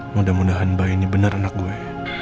mudah mudahan bayi ini bener anak gue